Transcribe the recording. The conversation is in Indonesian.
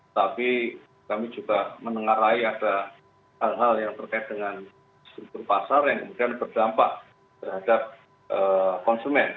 tapi kami juga menengarai ada hal hal yang terkait dengan struktur pasar yang kemudian berdampak terhadap konsumen